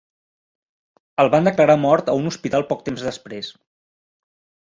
El van declarar mort a un hospital poc temps després.